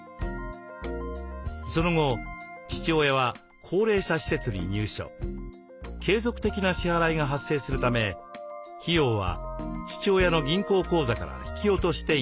その後継続的な支払いが発生するため費用は父親の銀行口座から引き落としていました。